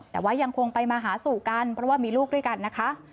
แต่ว่ายังคงไปมาหาสู่กันเพราะว่ามีลูกด้วยกันนะคะ